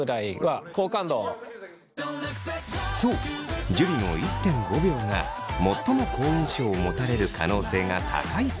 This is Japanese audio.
そう樹の１．５秒が最も好印象を持たれる可能性が高いそう。